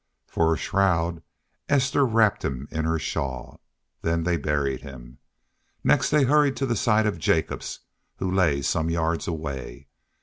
For a shroud Esther wrapped him in her shawl. Then they buried him. Next they hurried to the side of Jacobs, who lay some yards away.